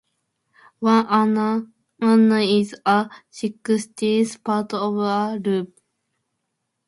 One anna is a sixteenth part of a rupee.